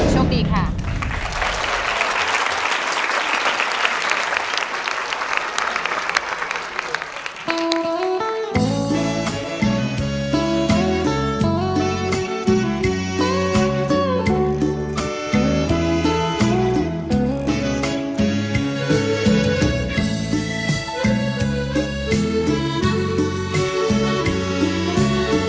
โชคดีค่ะ